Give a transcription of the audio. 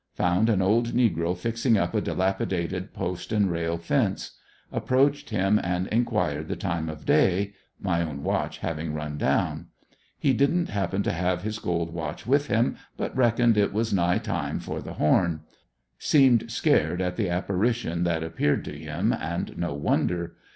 — Found an old negro fixing up a dilapidated post and rail fence. Approached him a::d enquired the time of day. (My own watch having run down.) He didn't hap pen to have his gold watch with him, but reckoned it was nigh time for the horn. Seemed scared at the apparition that appeared to him, and no wonder.